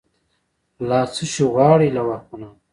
لا« څشي غواړی» له واکمنانو